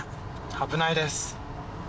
危ないです。